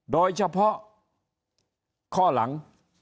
โดยเฉพาะข้อหลัง